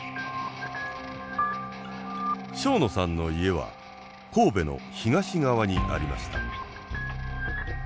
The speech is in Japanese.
庄野さんの家は神戸の東側にありました。